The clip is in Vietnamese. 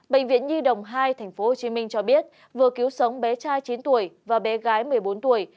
bệnh viện nhi đồng hai tp hcm cho biết vừa cứu sống bé trai chín tuổi và bé gái một mươi bốn tuổi